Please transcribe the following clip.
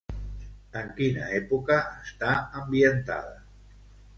En quina època està ambientada?